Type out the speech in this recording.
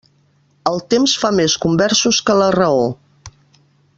El temps fa més conversos que la raó.